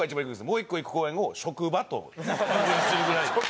もう１個行く公園を職場とするぐらい。